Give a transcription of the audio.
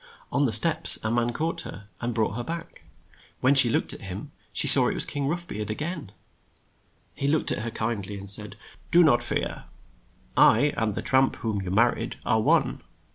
On the steps a man caught her, and brought her back. When she looked at him, she saw it was King Rough Beard a gain. He looked at her kind ly and said, "Do not fear. I and the tramp whom you mar ried are one.